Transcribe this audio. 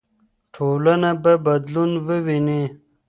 ټولنه به بدلون وویني.